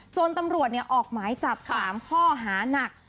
จนตำรวจออกหมายจับ๓ข้อหานัก